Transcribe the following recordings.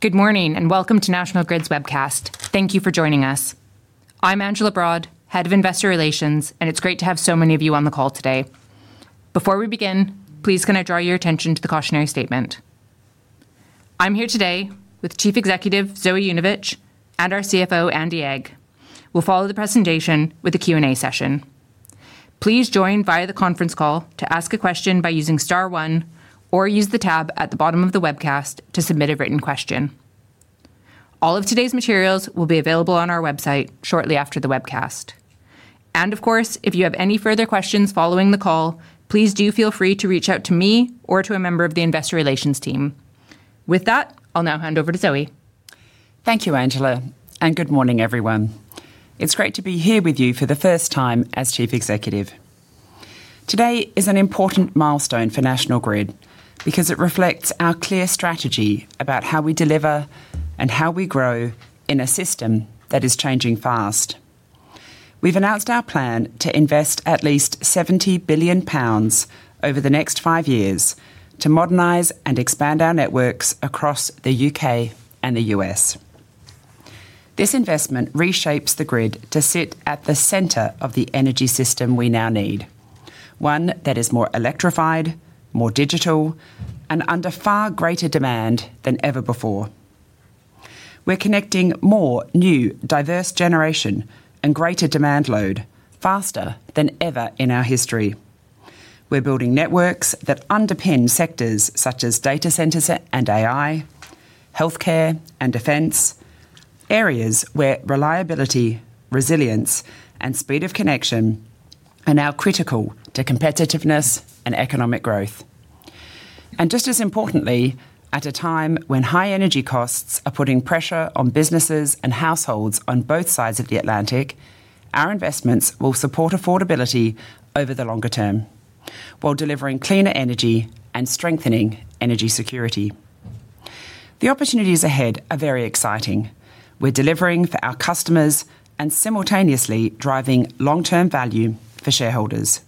Good morning. Welcome to National Grid's webcast. Thank you for joining us. I'm Angela Broad, Head of Investor Relations, and it's great to have so many of you on the call today. Before we begin, please can I draw your attention to the cautionary statement. I'm here today with Chief Executive Zoë Yujnovich and our CFO Andy Agg. We'll follow the presentation with a Q&A session. Please join via the conference call to ask a question by using star one or use the tab at the bottom of the webcast to submit a written question. All of today's materials will be available on our website shortly after the webcast. Of course, if you have any further questions following the call, please do feel free to reach out to me or to a member of the investor relations team. With that, I'll now hand over to Zoë. Thank you, Angela. Good morning, everyone. It's great to be here with you for the first time as Chief Executive. Today is an important milestone for National Grid because it reflects our clear strategy about how we deliver and how we grow in a system that is changing fast. We've announced our plan to invest at least 70 billion pounds over the next five years to modernize and expand our networks across the U.K. and the U.S. This investment reshapes the grid to sit at the center of the energy system we now need, one that is more electrified, more digital, and under far greater demand than ever before. We're connecting more new diverse generation and greater demand load faster than ever in our history. We're building networks that underpin sectors such as data centers and AI, healthcare and defense, areas where reliability, resilience, and speed of connection are now critical to competitiveness and economic growth. Just as importantly, at a time when high energy costs are putting pressure on businesses and households on both sides of the Atlantic, our investments will support affordability over the longer term, while delivering cleaner energy and strengthening energy security. The opportunities ahead are very exciting. We're delivering for our customers and simultaneously driving long-term value for shareholders.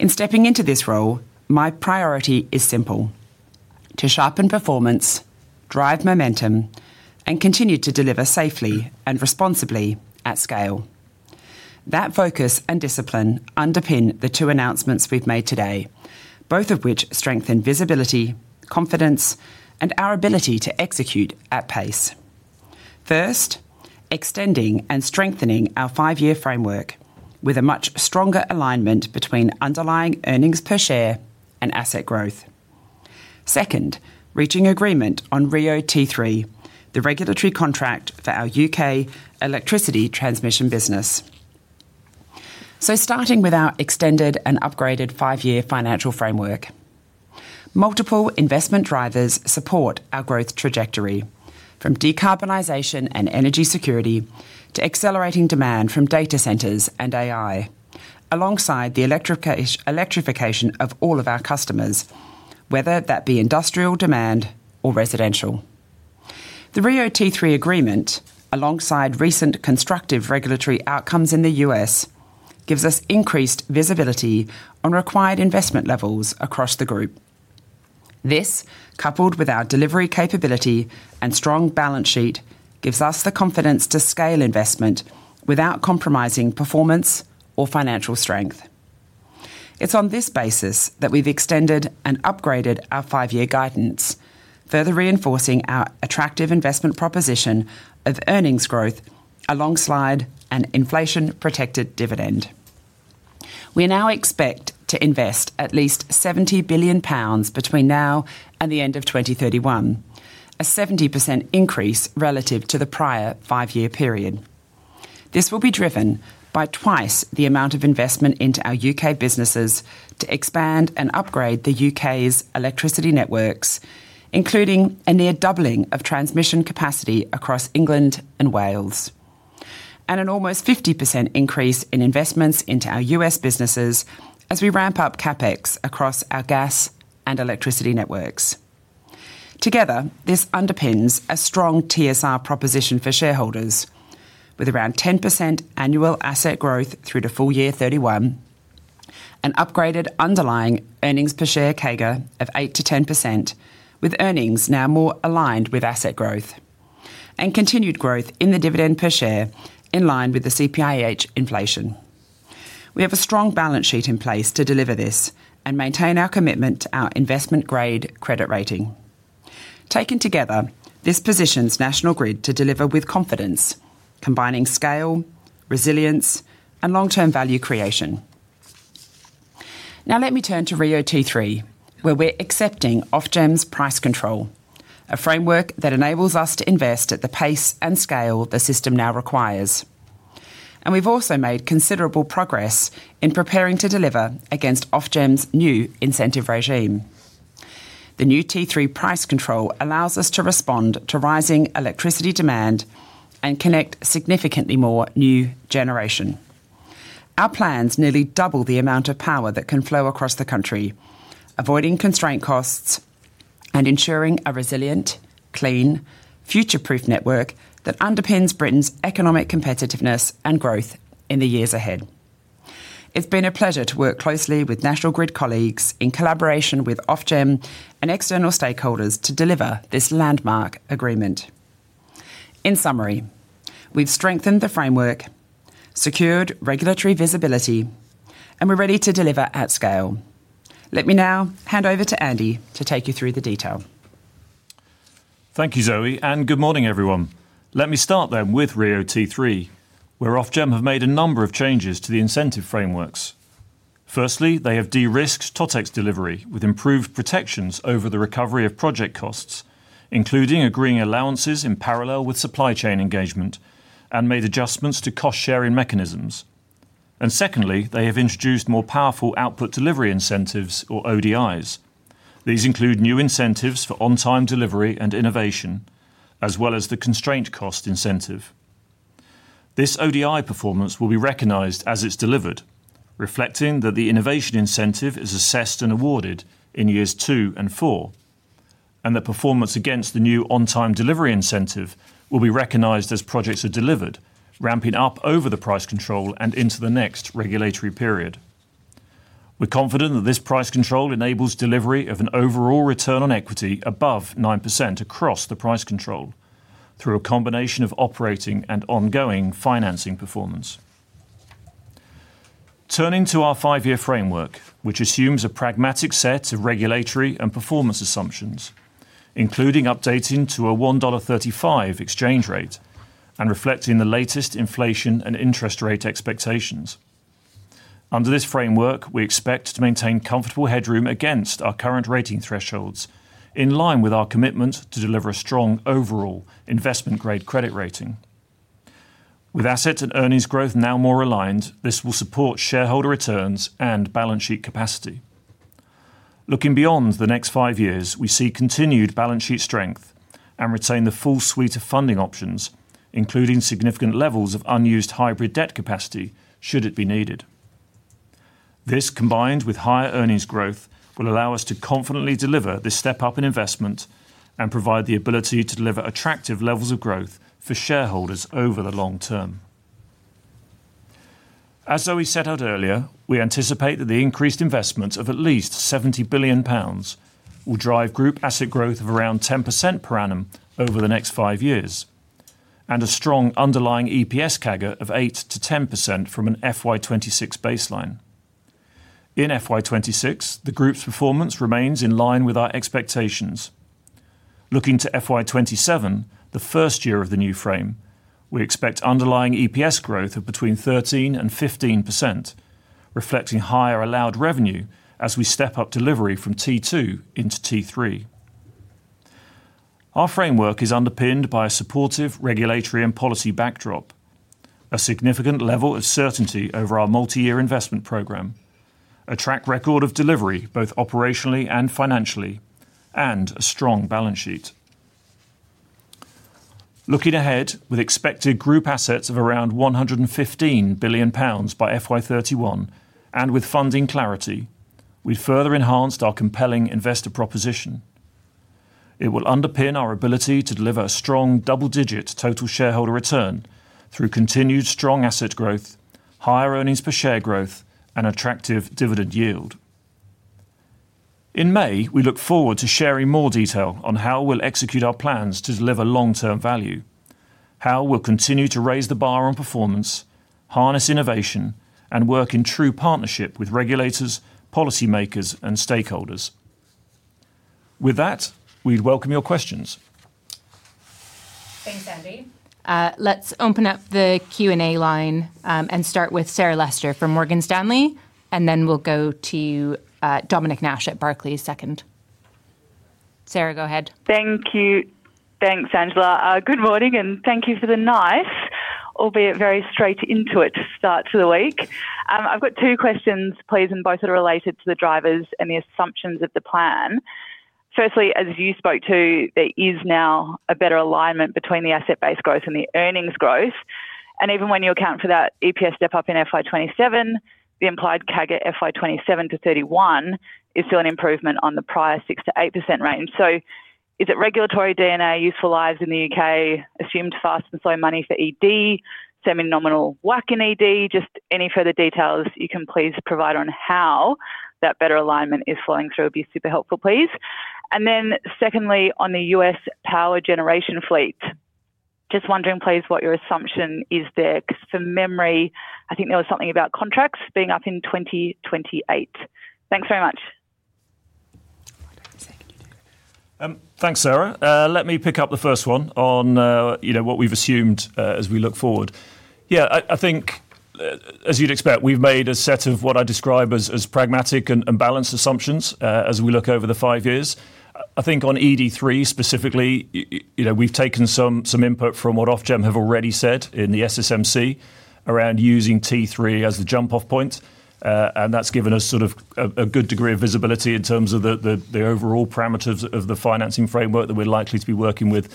In stepping into this role, my priority is simple, to sharpen performance, drive momentum, and continue to deliver safely and responsibly at scale. That focus and discipline underpin the two announcements we've made today, both of which strengthen visibility, confidence, and our ability to execute at pace. Extending and strengthening our five-year framework with a much stronger alignment between underlying earnings per share and asset growth. Reaching agreement on RIIO-T3, the regulatory contract for our U.K. electricity transmission business. Starting with our extended and upgraded five-year financial framework. Multiple investment drivers support our growth trajectory, from decarbonization and energy security to accelerating demand from data centers and AI, alongside the electrification of all of our customers, whether that be industrial demand or residential. The RIIO-T3 agreement, alongside recent constructive regulatory outcomes in the U.S., gives us increased visibility on required investment levels across the group. This, coupled with our delivery capability and strong balance sheet, gives us the confidence to scale investment without compromising performance or financial strength. It's on this basis that we've extended and upgraded our five-year guidance, further reinforcing our attractive investment proposition of earnings growth alongside an inflation-protected dividend. We now expect to invest at least 70 billion pounds between now and the end of 2031, a 70% increase relative to the prior five-year period. This will be driven by twice the amount of investment into our U.K. businesses to expand and upgrade the U.K.'s electricity networks, including a near doubling of transmission capacity across England and Wales, and an almost 50% increase in investments into our U.S. businesses as we ramp up CapEx across our gas and electricity networks. This underpins a strong TSR proposition for shareholders with around 10% annual asset growth through to FY31, an upgraded underlying earnings per share CAGR of 8%-10%, with earnings now more aligned with asset growth, and continued growth in the dividend per share in line with the CPIH inflation. We have a strong balance sheet in place to deliver this and maintain our commitment to our investment-grade credit rating. Taken together, this positions National Grid to deliver with confidence, combining scale, resilience, and long-term value creation. Let me turn to RIIO-T3, where we're accepting Ofgem's price control, a framework that enables us to invest at the pace and scale the system now requires. We've also made considerable progress in preparing to deliver against Ofgem's new incentive regime. The new T3 price control allows us to respond to rising electricity demand and connect significantly more new generation. Our plans nearly double the amount of power that can flow across the country, avoiding constraint costs and ensuring a resilient, clean, future-proof network that underpins Britain's economic competitiveness and growth in the years ahead. It's been a pleasure to work closely with National Grid colleagues in collaboration with Ofgem and external stakeholders to deliver this landmark agreement. In summary, we've strengthened the framework, secured regulatory visibility, and we're ready to deliver at scale. Let me now hand over to Andy to take you through the detail. Thank you, Zoë. Good morning, everyone. Let me start with RIIO-T3, where Ofgem have made a number of changes to the incentive frameworks. Firstly, they have de-risked TOTEX delivery with improved protections over the recovery of project costs, including agreeing allowances in parallel with supply chain engagement and made adjustments to cost-sharing mechanisms. Secondly, they have introduced more powerful Output Delivery Incentives or ODIs. These include new incentives for on-time delivery and innovation, as well as the constraint cost incentive. This ODI performance will be recognized as it's delivered, reflecting that the innovation incentive is assessed and awarded in years 2 and 4, and the performance against the new on-time delivery incentive will be recognized as projects are delivered, ramping up over the price control and into the next regulatory period. We're confident that this price control enables delivery of an overall return on equity above 9% across the price control through a combination of operating and ongoing financing performance. Turning to our five-year framework, which assumes a pragmatic set of regulatory and performance assumptions, including updating to a $1.35 exchange rate and reflecting the latest inflation and interest rate expectations. Under this framework, we expect to maintain comfortable headroom against our current rating thresholds, in line with our commitment to deliver a strong overall investment-grade credit rating. With assets and earnings growth now more aligned, this will support shareholder returns and balance sheet capacity. Looking beyond the next five years, we see continued balance sheet strength and retain the full suite of funding options, including significant levels of unused hybrid debt capacity should it be needed. This, combined with higher earnings growth, will allow us to confidently deliver this step-up in investment and provide the ability to deliver attractive levels of growth for shareholders over the long term. As Zoë set out earlier, we anticipate that the increased investment of at least GBP 70 billion will drive group asset growth of around 10% per annum over the next five years, and a strong underlying EPS CAGR of 8%-10% from an FY26 baseline. In FY26, the group's performance remains in line with our expectations. Looking to FY27, the first year of the new frame, we expect underlying EPS growth of between 13% and 15%, reflecting higher allowed revenue as we step up delivery from T2 into T3. Our framework is underpinned by a supportive regulatory and policy backdrop, a significant level of certainty over our multi-year investment program, a track record of delivery, both operationally and financially, and a strong balance sheet. Looking ahead, with expected group assets of around 115 billion pounds by FY31 and with funding clarity, we further enhanced our compelling investor proposition. It will underpin our ability to deliver a strong double-digit total shareholder return through continued strong asset growth, higher earnings per share growth, and attractive dividend yield. In May, we look forward to sharing more detail on how we'll execute our plans to deliver long-term value, how we'll continue to raise the bar on performance, harness innovation, and work in true partnership with regulators, policymakers, and stakeholders. With that, we welcome your questions. Thanks, Andy. Let's open up the Q&A line, and start with Sarah Lester from Morgan Stanley, and then we'll go to Dominic Nash at Barclays second. Sarah, go ahead. Thank you. Thanks, Angela. Good morning, thank you for the nice, albeit very straight into it, start to the week. I've got two questions, please, both are related to the drivers and the assumptions of the plan. Firstly, as you spoke to, there is now a better alignment between the asset-based growth and the earnings growth. Even when you account for that EPS step-up in FY27, the implied CAGR FY27-FY31 is still an improvement on the prior 6%-8% range. Is it regulatory DNA, useful lives in the U.K., assumed fast and slow money for ED, semi-nominal WACC in ED? Just any further details you can please provide on how that better alignment is flowing through would be super helpful, please. Secondly, on the U.S. power generation fleet, just wondering, please, what your assumption is there? From memory, I think there was something about contracts being up in 2028. Thanks very much. Thanks, Sarah. Let me pick up the first one on, you know, what we've assumed as we look forward. Yeah, I think, as you'd expect, we've made a set of what I describe as pragmatic and balanced assumptions as we look over the five years. I think on ED3 specifically, you know, we've taken some input from what Ofgem have already said in the SSMC around using T3 as the jump-off point. That's given us sort of a good degree of visibility in terms of the, the overall parameters of the financing framework that we're likely to be working with.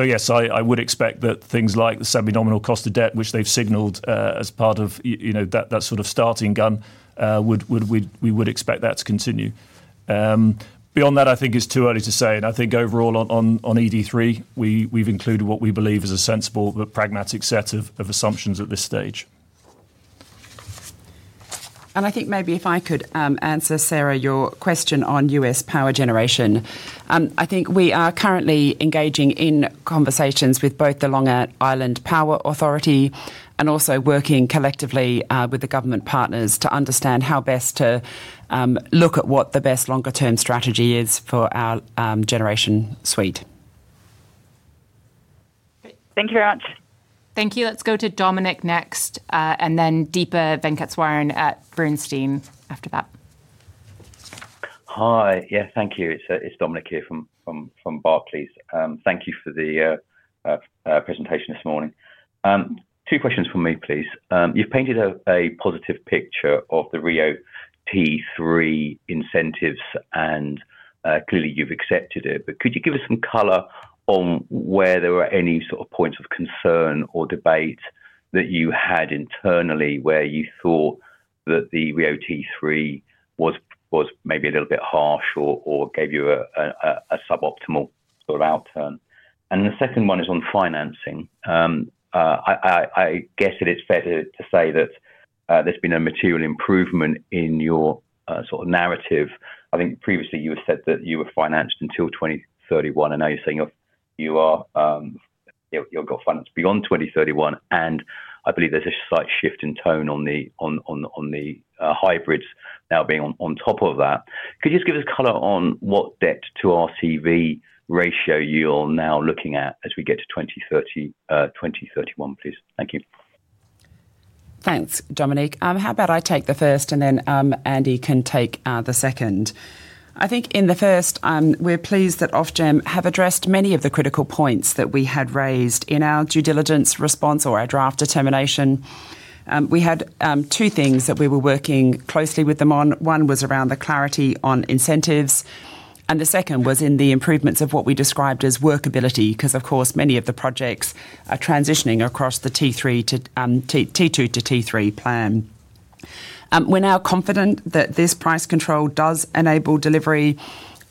Yes, I would expect that things like the semi-nominal cost of debt, which they've signaled, as part of you know, that sort of starting gun, we would expect that to continue. Beyond that, I think it's too early to say, and I think overall on ED3, we've included what we believe is a sensible but pragmatic set of assumptions at this stage. I think maybe if I could, answer, Sarah, your question on U.S. power generation. I think we are currently engaging in conversations with both the Long Island Power Authority and also working collectively, with the government partners to understand how best to, look at what the best longer-term strategy is for our, generation suite. Thank you very much. Thank you. Let's go to Dominic next, and then Deepa Venkateswaran at Bernstein after that. Hi. Yeah, thank you. It's Dominic here from Barclays. Thank you for the presentation this morning. Two questions from me, please. You've painted a positive picture of the RIIO-T3 incentives, and clearly you've accepted it. Could you give us some color on where there were any sort of points of concern or debate that you had internally, where you thought that the RIIO-T3 was maybe a little bit harsh or gave you a suboptimal sort of outcome? The second one is on financing. I guess it is fair to say that there's been a material improvement in your sort of narrative. I think previously you had said that you were financed until 2031. Now you're saying you are, you know, you've got finance beyond 2031. I believe there's a slight shift in tone on the hybrids now being on top of that. Could you just give us color on what debt to RCV ratio you're now looking at as we get to 2031, please? Thank you. Thanks, Dominic. How about I take the first and then Andy can take the second. I think in the first, we're pleased that Ofgem have addressed many of the critical points that we had raised in our due diligence response or our draft determination. We had two things that we were working closely with them on. One was around the clarity on incentives, and the second was in the improvements of what we described as workability, 'cause of course, many of the projects are transitioning across the T3 to T2 to T3 plan. We're now confident that this price control does enable delivery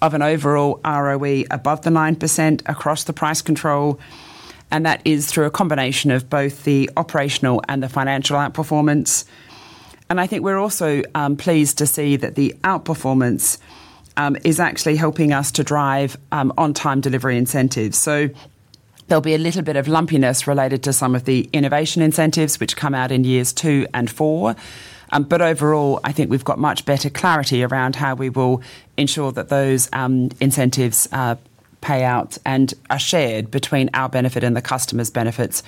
of an overall ROE above the 9% across the price control, and that is through a combination of both the operational and the financial outperformance. I think we're also pleased to see that the outperformance is actually helping us to drive on-time delivery incentives. There'll be a little bit of lumpiness related to some of the innovation incentives which come out in years two and four. Overall, I think we've got much better clarity around how we will ensure that those incentives pay out and are shared between our benefit and the customers' benefits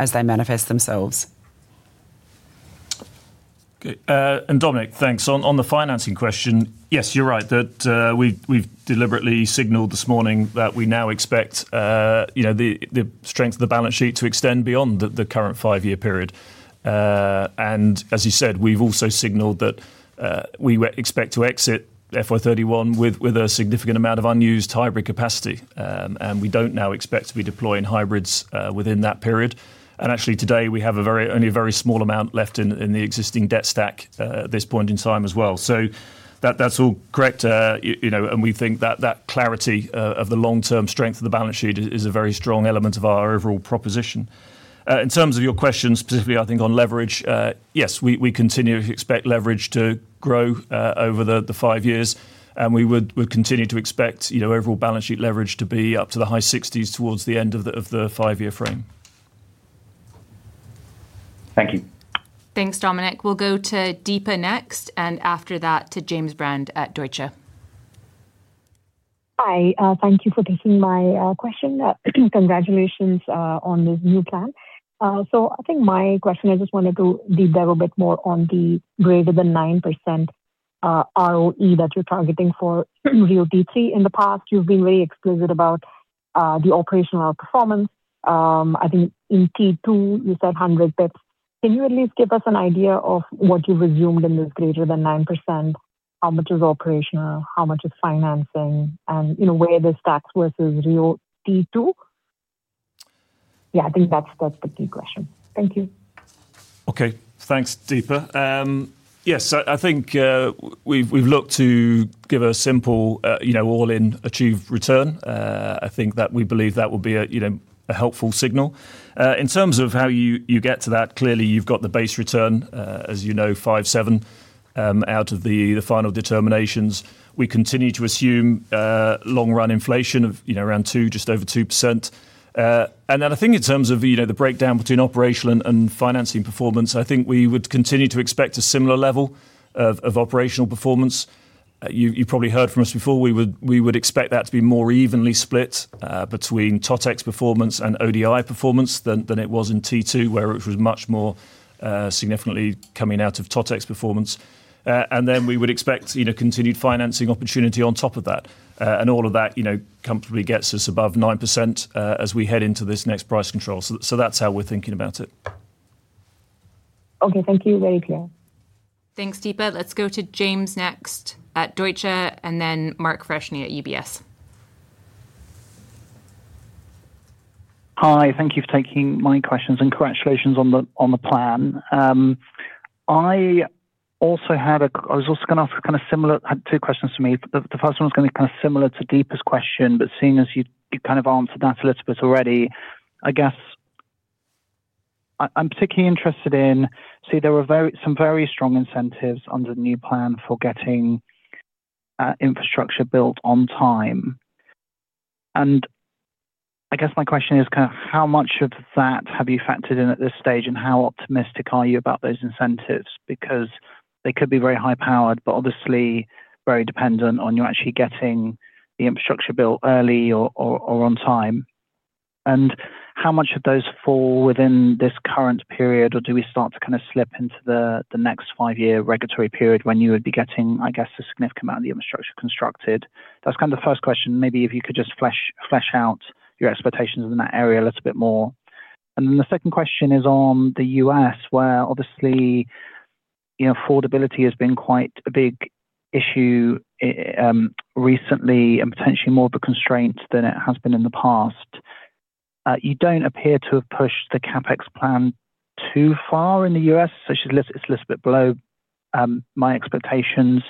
as they manifest themselves. Okay. Dominic, thanks. On the financing question, yes, you're right that we've deliberately signaled this morning that we now expect, you know, the strength of the balance sheet to extend beyond the current five-year period. As you said, we've also signaled that we expect to exit FY31 with a significant amount of unused hybrid capacity, and we don't now expect to be deploying hybrids within that period. Actually, today, we have only a very small amount left in the existing debt stack at this point in time as well. That's all correct. You know, we think that clarity of the long-term strength of the balance sheet is a very strong element of our overall proposition. In terms of your question, specifically, I think on leverage, yes, we continue to expect leverage to grow over the 5 years, we continue to expect, you know, overall balance sheet leverage to be up to the high 60s towards the end of the five-year frame. Thank you. Thanks, Dominic. We'll go to Deepa next, and after that to James Brand at Deutsche. Hi. Thank you for taking my question. Congratulations on this new plan. I think my question, I just wanted to deep dive a bit more on the greater than 9% ROE that you're targeting for RIIO-T3. In the past, you've been very explicit about the operational performance. I think in T2 you said 100 bits. Can you at least give us an idea of what you've assumed in this greater than 9%? How much is operational? How much is financing? And you know, where this stacks versus RIIO-T2? I think that's the key question. Thank you. Okay. Thanks, Deepa. Yes, I think we've looked to give a simple, you know, all-in achieve return. I think that we believe that will be a, you know, a helpful signal. In terms of how you get to that, clearly you've got the base return, as you know, 5.7, out of the final determinations. We continue to assume long run inflation of, you know, around 2%, just over 2%. Then I think in terms of, you know, the breakdown between operational and financing performance, I think we would continue to expect a similar level of operational performance. You've probably heard from us before, we would expect that to be more evenly split, between TOTEX performance and ODI performance than it was in T2, where it was much more, significantly coming out of TOTEX performance. Then we would expect, you know, continued financing opportunity on top of that. All of that, you know, comfortably gets us above 9%, as we head into this next price control. That's how we're thinking about it. Okay, thank you. Very clear. Thanks, Deepa. Let's go to James next at Deutsche and then Mark Freshney at UBS. Hi. Thank you for taking my questions. Congratulations on the plan. I was also gonna ask. Had two questions for me. The first one was gonna be kinda similar to Deepa's question, seeing as you kind of answered that a little bit already, I guess. I'm particularly interested in, see, there were some very strong incentives under the new plan for getting infrastructure built on time. I guess my question is kind of how much of that have you factored in at this stage, and how optimistic are you about those incentives? Because they could be very high powered, but obviously very dependent on you actually getting the infrastructure built early or on time. How much of those fall within this current period, or do we start to kind of slip into the next five-year regulatory period when you would be getting, I guess, a significant amount of the infrastructure constructed? That's kind of the first question. Maybe if you could just flesh out your expectations in that area a little bit more. The second question is on the U.S., where obviously, you know, affordability has been quite a big issue recently, and potentially more of a constraint than it has been in the past. You don't appear to have pushed the CapEx plan too far in the U.S., so it's a little bit below my expectations.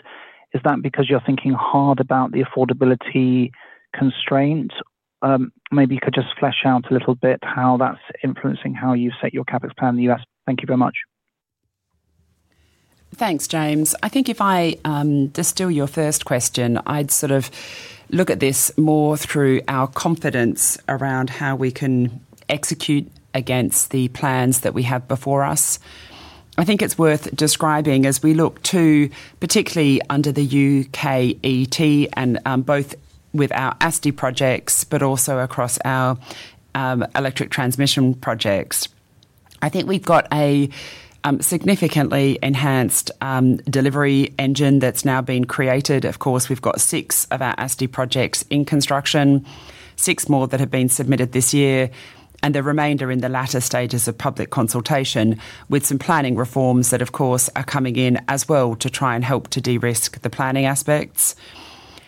Is that because you're thinking hard about the affordability constraints? Maybe you could just flesh out a little bit how that's influencing how you set your CapEx plan in the U.S. Thank you very much. Thanks, James. I think if I distill your first question, I'd sort of look at this more through our confidence around how we can execute against the plans that we have before us. I think it's worth describing as we look to, particularly under the U.K.ET and both with our ASTI projects, but also across our electric transmission projects. I think we've got a significantly enhanced delivery engine that's now been created. Of course, we've got six of our ASTI projects in construction, six more that have been submitted this year, and the remainder in the latter stages of public consultation with some planning reforms that of course are coming in as well to try and help to de-risk the planning aspects.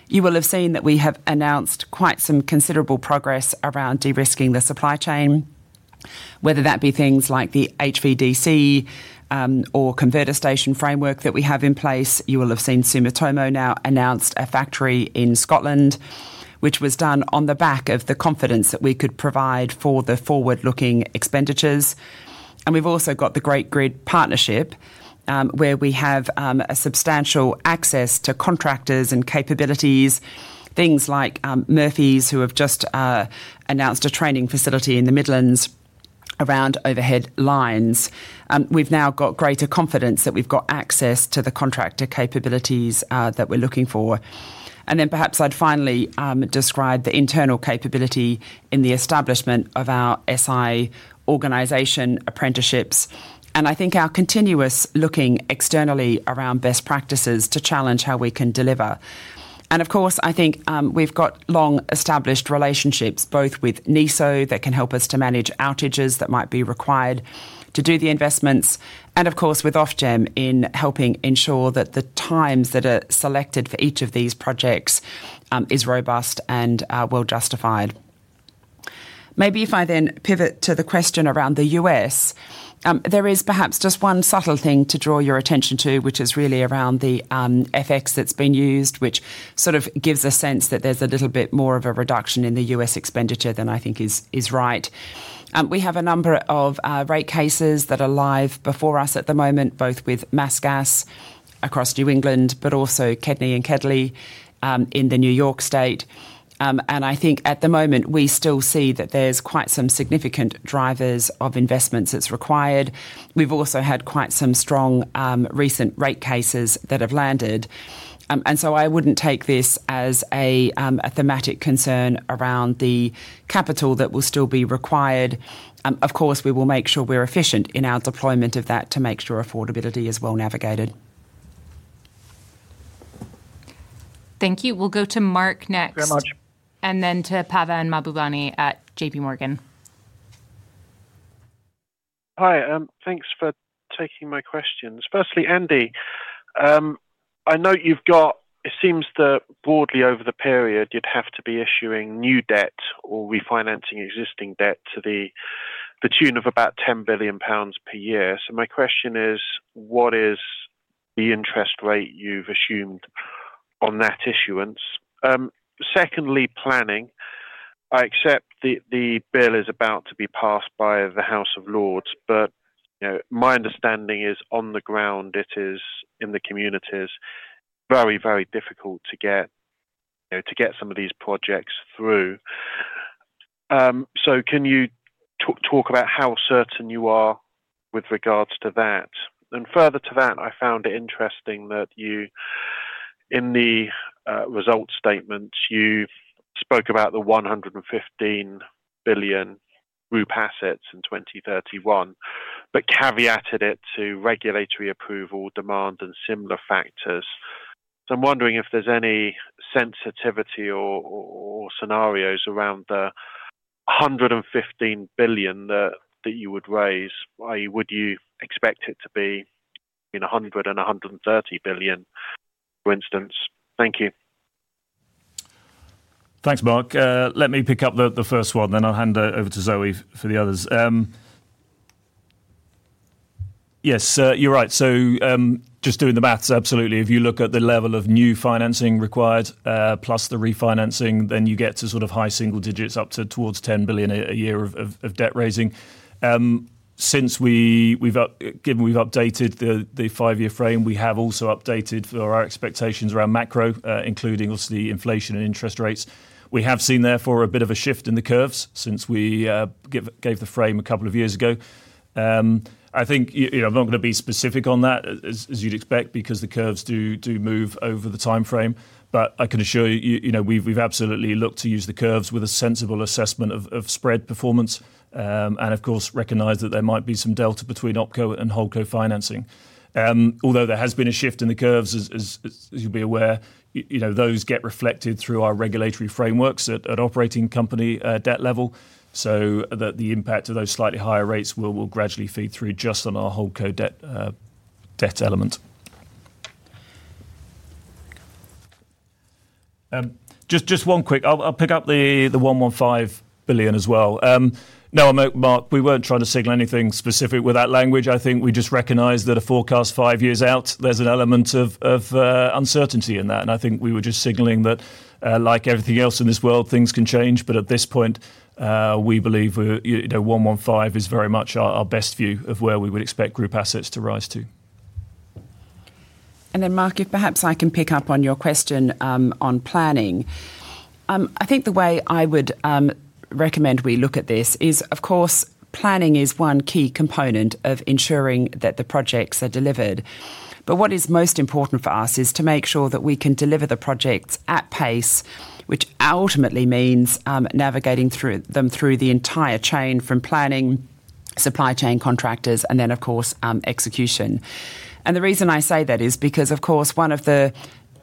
You will have seen that we have announced quite some considerable progress around de-risking the supply chain, whether that be things like the HVDC or converter station framework that we have in place. You will have seen Sumitomo now announced a factory in Scotland, which was done on the back of the confidence that we could provide for the forward-looking expenditures. We've also got the Great Grid Partnership, where we have a substantial access to contractors and capabilities, things like Murphy's, who have just announced a training facility in the Midlands around overhead lines. We've now got greater confidence that we've got access to the contractor capabilities that we're looking for. Perhaps I'd finally describe the internal capability in the establishment of our SI Organization apprenticeships, and I think our continuous looking externally around best practices to challenge how we can deliver. I think we've got long-established relationships, both with NYISO, that can help us to manage outages that might be required to do the investments. With Ofgem in helping ensure that the times that are selected for each of these projects is robust and well justified. Pivot to the question around the U.S. There is perhaps just one subtle thing to draw your attention to, which is really around the FX that's been used, which sort of gives a sense that there's a little bit more of a reduction in the U.S. expenditure than I think is right. We have a number of rate cases that are live before us at the moment, both with Massgas across New England, but also KEDNY and KEDLI in the New York State. I think at the moment, we still see that there's quite some significant drivers of investments that's required. We've also had quite some strong recent rate cases that have landed. I wouldn't take this as a thematic concern around the capital that will still be required. Of course, we will make sure we're efficient in our deployment of that to make sure affordability is well navigated. Thank you. We'll go to Mark next. Very much. To Pavan Mahbubani at JPMorgan. Hi. Thanks for taking my questions. Firstly, Andy, I note it seems that broadly over the period, you'd have to be issuing new debt or refinancing existing debt to the tune of about 10 billion pounds per year. My question is, what is the interest rate you've assumed on that issuance? Secondly, planning. I accept the bill is about to be passed by the House of Lords, but, you know, my understanding is on the ground, it is in the communities very difficult to get, you know, some of these projects through. Can you talk about how certain you are with regards to that? Further to that, I found it interesting that you, in the results statement, you spoke about the 115 billion group assets in 2031, but caveated it to regulatory approval, demand and similar factors. I'm wondering if there's any sensitivity or scenarios around the 115 billion that you would raise. Would you expect it to be, you know, 100 billion and 130 billion, for instance? Thank you. Thanks, Mark. Let me pick up the first one, then I'll hand over to Zoë for the others. Yes, sir, you're right. Just doing the math, absolutely. If you look at the level of new financing required, plus the refinancing, then you get to sort of high single digits up to towards 10 billion a year of debt raising. Since we've given we've updated the five-year frame, we have also updated for our expectations around macro, including also the inflation and interest rates. We have seen therefore a bit of a shift in the curves since we gave the frame a couple of years ago. I think, you know, I'm not gonna be specific on that as you'd expect because the curves do move over the timeframe, but I can assure you know, we've absolutely looked to use the curves with a sensible assessment of spread performance, and of course recognize that there might be some delta between OpCo and HoldCo financing. Although there has been a shift in the curves as you'd be aware, you know, those get reflected through our regulatory frameworks at operating company debt level, so the impact of those slightly higher rates will gradually feed through just on our HoldCo debt debt element. Just one quick. I'll pick up the 115 billion as well. No, Mark, we weren't trying to signal anything specific with that language. I think we just recognized that a forecast five years out, there's an element of uncertainty in that, and I think we were just signaling that, like everything else in this world, things can change, but at this point, we believe, you know, 115 is very much our best view of where we would expect group assets to rise to. Mark, if perhaps I can pick up on your question on planning. I think the way I would recommend we look at this is, of course, planning is one key component of ensuring that the projects are delivered. What is most important for us is to make sure that we can deliver the projects at pace, which ultimately means navigating through them through the entire chain from planning, supply chain contractors, and then of course, execution. The reason I say that is because, of course, one of the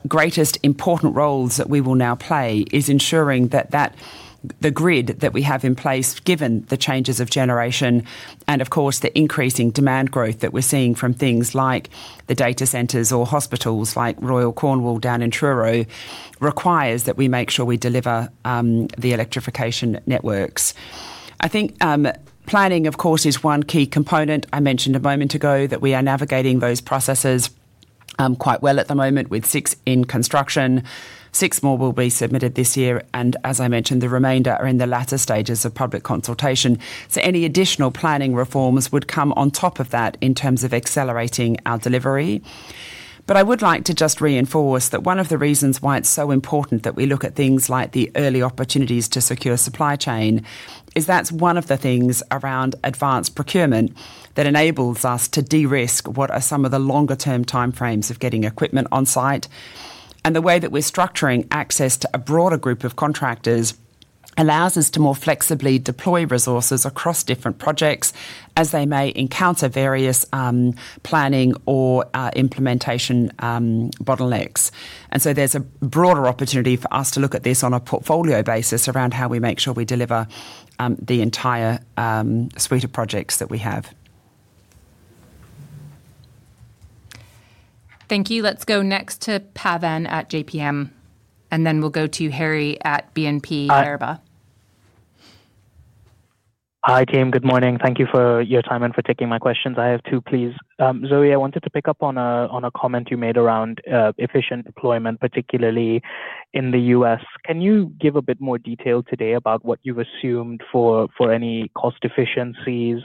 greatest important roles that we will now play is ensuring that the grid that we have in place, given the changes of generation and of course, the increasing demand growth that we're seeing from things like the data centers or hospitals like Royal Cornwall down in Truro, requires that we make sure we deliver the electrification networks. I think, planning, of course, is one key component. I mentioned a moment ago that we are navigating those processes quite well at the moment with six in construction. Six more will be submitted this year, and as I mentioned, the remainder are in the latter stages of public consultation. Any additional planning reforms would come on top of that in terms of accelerating our delivery. I would like to just reinforce that one of the reasons why it's so important that we look at things like the early opportunities to secure supply chain is that's one of the things around advanced procurement that enables us to de-risk what are some of the longer-term time frames of getting equipment on-site. The way that we're structuring access to a broader group of contractors allows us to more flexibly deploy resources across different projects as they may encounter various planning or implementation bottlenecks. There's a broader opportunity for us to look at this on a portfolio basis around how we make sure we deliver the entire suite of projects that we have. Thank you. Let's go next to Pavan at JPMorgan, and then we'll go to Harry at BNP Paribas. Hi, team. Good morning. Thank you for your time and for taking my questions. I have two, please. Zoë, I wanted to pick up on a comment you made around efficient deployment, particularly in the U.S. Can you give a bit more detail today about what you've assumed for any cost efficiencies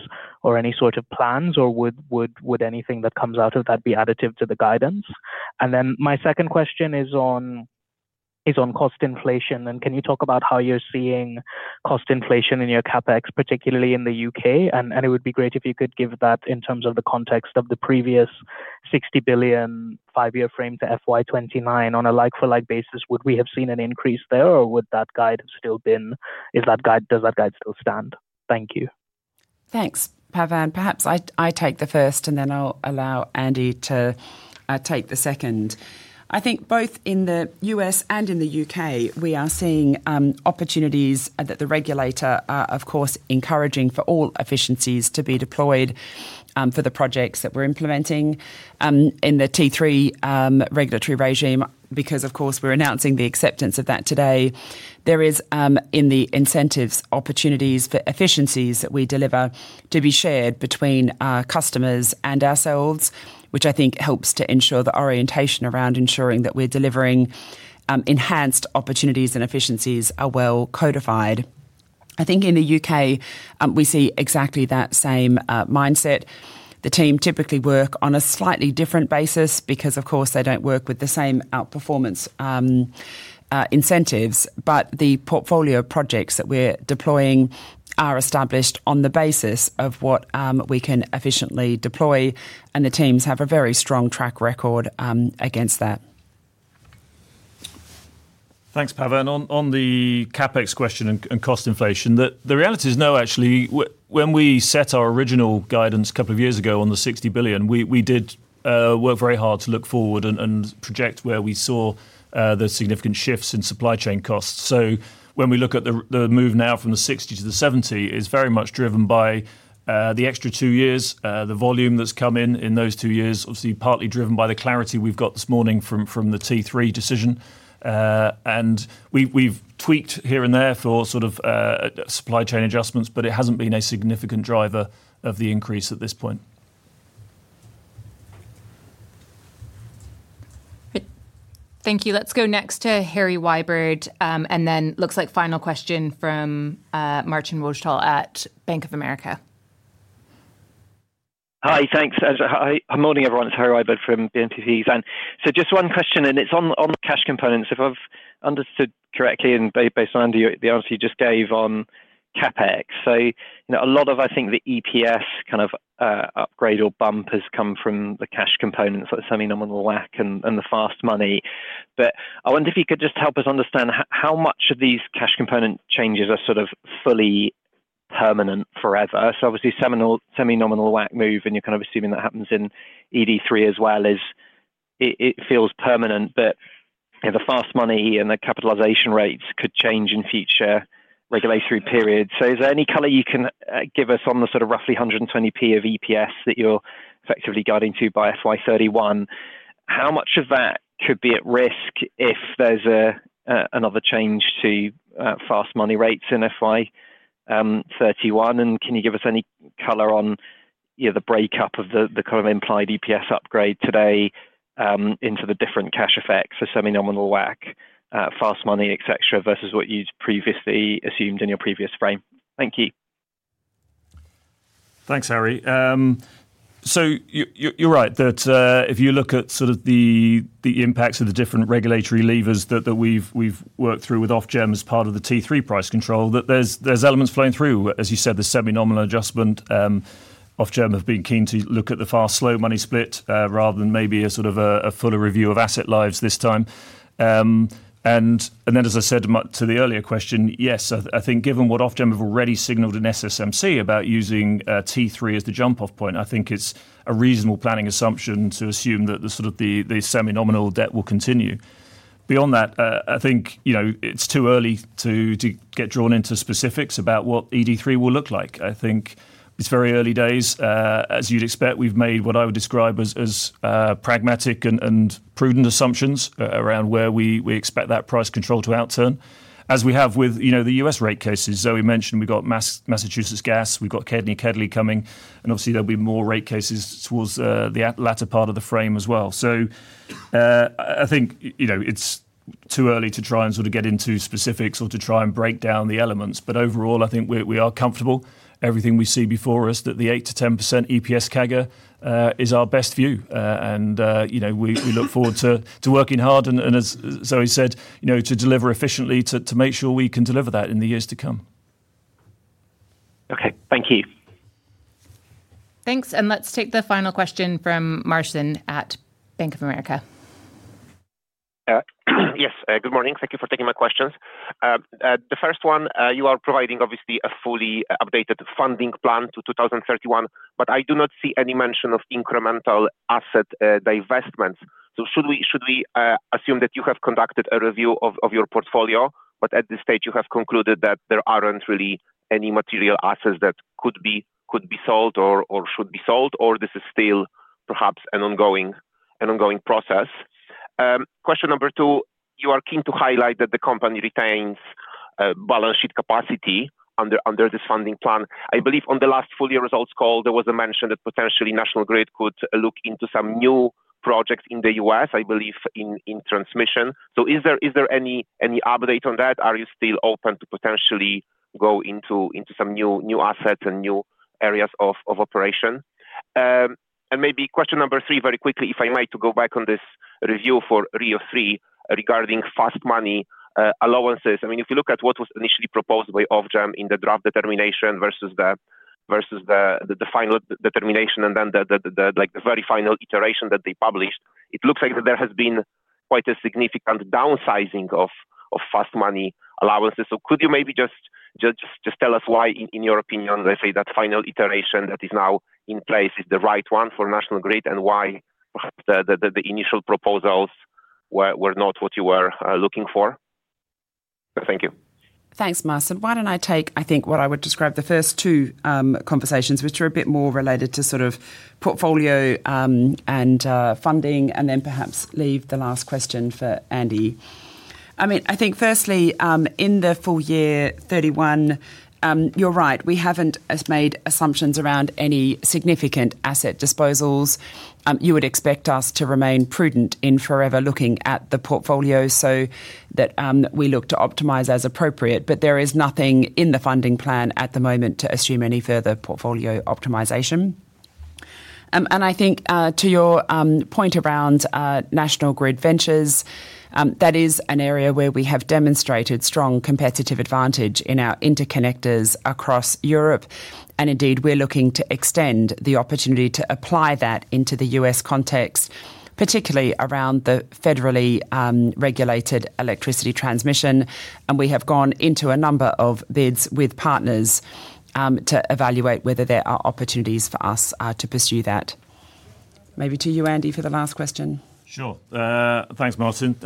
or any sort of plans, or would anything that comes out of that be additive to the guidance? My second question is on cost inflation. Can you talk about how you're seeing cost inflation in your CapEx, particularly in the U.K.? It would be great if you could give that in terms of the context of the previous 60 billion, five-year frame to FY29. On a like-for-like basis, would we have seen an increase there, or would that guide have still been. Does that guide still stand? Thank you. Thanks, Pavan. Perhaps I take the first, I'll allow Andy to take the second. I think both in the U.S. and in the U.K., we are seeing opportunities that the regulator are of course encouraging for all efficiencies to be deployed for the projects that we're implementing in the T3 regulatory regime, because of course, we're announcing the acceptance of that today. There is in the incentives, opportunities for efficiencies that we deliver to be shared between our customers and ourselves, which I think helps to ensure the orientation around ensuring that we're delivering enhanced opportunities and efficiencies are well codified. I think in the U.K., we see exactly that same mindset. The team typically work on a slightly different basis because of course, they don't work with the same outperformance incentives, but the portfolio of projects that we're deploying are established on the basis of what we can efficiently deploy, and the teams have a very strong track record against that. Thanks, Pavan. On the CapEx question and cost inflation, the reality is no, actually. When we set our original guidance a couple of years ago on the 60 billion, we did work very hard to look forward and project where we saw the significant shifts in supply chain costs. When we look at the move now from the 60 to the 70, it's very much driven by the extra two years, the volume that's come in in those two years, obviously partly driven by the clarity we've got this morning from the T3 decision. We've tweaked here and there for sort of supply chain adjustments, but it hasn't been a significant driver of the increase at this point. Thank you. Let's go next to Harry Wyburd, and then looks like final question from Marcin Wojtal at Bank of America. Hi. Thanks. Hi. Good morning, everyone. It's Harry Wyburd from BNP Paribas. Just one question, and it's on the cash components, if I've understood correctly and based on the answer you just gave on CapEx. You know, a lot of, I think, the EPS kind of upgrade or bump has come from the cash components, so semi-nominal WACC and the fast money. I wonder if you could just help us understand how much of these cash component changes are sort of fully permanent forever? Obviously semi-nominal WACC move, and you're kind of assuming that happens in ED3 as well, is it feels permanent. You know, the fast money and the capitalization rates could change in future regulatory periods. Is there any color you can give us on the sort of roughly 120p of EPS that you're effectively guiding to by FY31? How much of that could be at risk if there's another change to fast money rates in FY31? Can you give us any color on, you know, the breakup of the kind of implied EPS upgrade today into the different cash effects for semi-nominal WACC, fast money, et cetera, versus what you'd previously assumed in your previous frame? Thank you. Thanks, Harry. You're right that if you look at sort of the impacts of the different regulatory levers that we've worked through with Ofgem as part of the T3 price control, there's elements flowing through. As you said, the semi-nominal adjustment, Ofgem have been keen to look at the fast-slow money split rather than maybe a sort of a fuller review of asset lives this time. And then as I said to the earlier question, yes, I think given what Ofgem have already signaled in SSMC about using T3 as the jump-off point, I think it's a reasonable planning assumption to assume that the sort of the semi-nominal debt will continue. Beyond that, I think, you know, it's too early to get drawn into specifics about what ED3 will look like. I think it's very early days. As you'd expect, we've made what I would describe as pragmatic and prudent assumptions around where we expect that price control to outturn. As we have with, you know, the U.S. rate cases, Zoë mentioned we've got Massachusetts Gas, we've got KEDNY, KEDLI coming, and obviously there'll be more rate cases towards the latter part of the frame as well. I think, you know, it's too early to try and sort of get into specifics or to try and break down the elements. Overall, I think we are comfortable. Everything we see before us that the 8%-10% EPS CAGR is our best view. You know, we look forward to working hard and as Zoe said, you know, to deliver efficiently, to make sure we can deliver that in the years to come. Okay. Thank you. Thanks. Let's take the final question from Marcin at Bank of America. Yes, good morning. Thank you for taking my questions. The first one, you are providing obviously a fully updated funding plan to 2031, I do not see any mention of incremental asset divestments. Should we assume that you have conducted a review of your portfolio, at this stage you have concluded that there aren't really any material assets that could be sold or should be sold, or this is still perhaps an ongoing process? Question 2, you are keen to highlight that the company retains balance sheet capacity under this funding plan. I believe on the last full year results call, there was a mention that potentially National Grid could look into some new projects in the U.S., I believe in transmission. Is there any update on that? Are you still open to potentially go into some new assets and new areas of operation? Maybe question number 3, very quickly, if I might to go back on this review for RIIO-T3 regarding fast money allowances. I mean, if you look at what was initially proposed by Ofgem in the draft determination versus the final determination then the very final iteration that they published, it looks like that there has been quite a significant downsizing of fast money allowances. Could you maybe just tell us why in your opinion, let's say, that final iteration that is now in place is the right one for National Grid and why perhaps the initial proposals were not what you were looking for? Thank you. Thanks, Marcin. Why don't I take, I think, what I would describe the first two conversations, which are a bit more related to sort of portfolio and funding, then perhaps leave the last question for Andy. I mean, I think firstly, in the FY31, you're right, we haven't as made assumptions around any significant asset disposals. You would expect us to remain prudent in forever looking at the portfolio so that we look to optimize as appropriate. There is nothing in the funding plan at the moment to assume any further portfolio optimization. I think to your point around National Grid Ventures, that is an area where we have demonstrated strong competitive advantage in our interconnectors across Europe. Indeed, we're looking to extend the opportunity to apply that into the U.S. context, particularly around the federally regulated electricity transmission. We have gone into a number of bids with partners to evaluate whether there are opportunities for us to pursue that. Maybe to you, Andy, for the last question. Sure. Thanks, Marcin.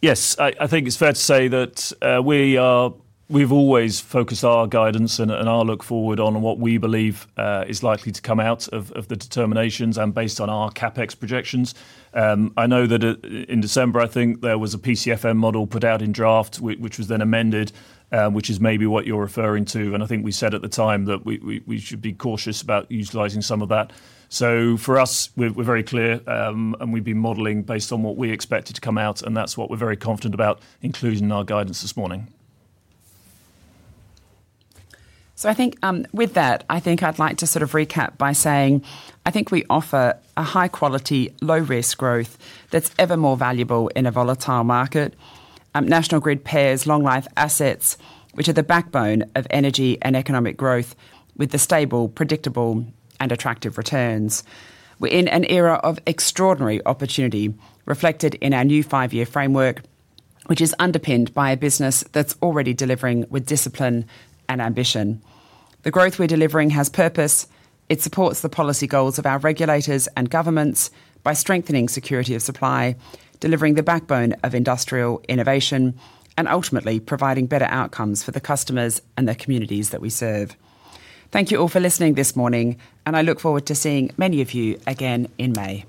Yes, I think it's fair to say that we've always focused our guidance and our look forward on what we believe is likely to come out of the determinations and based on our CapEx projections. I know that in December, I think, there was a PCFM model put out in draft which was then amended, which is maybe what you're referring to. I think we said at the time that we should be cautious about utilizing some of that. For us, we're very clear, and we've been modeling based on what we expected to come out, and that's what we're very confident about including in our guidance this morning. I think, with that, I think I'd like to sort of recap by saying I think we offer a high quality, low risk growth that's ever more valuable in a volatile market. National Grid pairs long life assets, which are the backbone of energy and economic growth with the stable, predictable, and attractive returns. We're in an era of extraordinary opportunity reflected in our new five-year framework, which is underpinned by a business that's already delivering with discipline and ambition. The growth we're delivering has purpose. It supports the policy goals of our regulators and governments by strengthening security of supply, delivering the backbone of industrial innovation, and ultimately providing better outcomes for the customers and the communities that we serve. Thank you all for listening this morning, and I look forward to seeing many of you again in May.